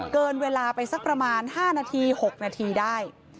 เกินเวลาไปสักประมาณ๕นาที๖นาทีได้